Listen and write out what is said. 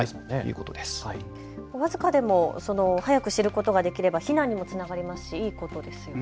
僅かでも早く知ることができれば避難にもつながりますしいいことですよね。